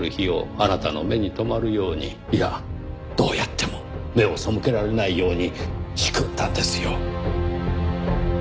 いやどうやっても目を背けられないように仕組んだんですよ。